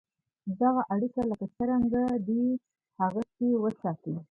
دغه اړیکي لکه څرنګه دي هغسې وساتې.